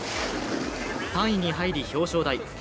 ３位に入り、表彰台。